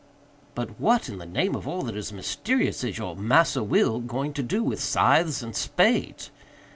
"But what, in the name of all that is mysterious, is your 'Massa Will' going to do with scythes and spades?"